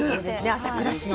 朝倉市の。